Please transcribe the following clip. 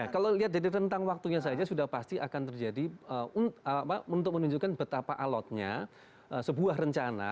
kalau lihat dari rentang waktunya saja sudah pasti akan terjadi untuk menunjukkan betapa alotnya sebuah rencana